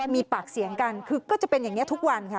มีปากเสียงกันคือก็จะเป็นอย่างนี้ทุกวันค่ะ